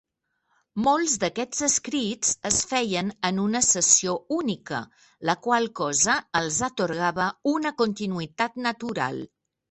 Molts d'aquests escrits es feien en una sessió única, la qual cosa els atorgava una continuïtat natural.